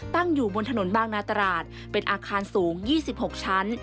ตั้งอยู่บนถนนบางนาตราดเป็นอาคารสูง๒๖ชั้น